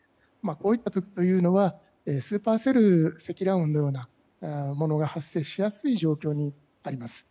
こういった時はスーパーセル積乱雲のようなものが発生しやすい状況になります。